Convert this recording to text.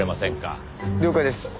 了解です。